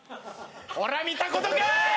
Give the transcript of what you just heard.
ほら見たことか！